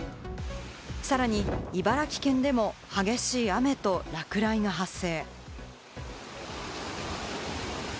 さらに茨城県でも激しい雨と落雷が発生。